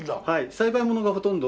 栽培ものがほとんど。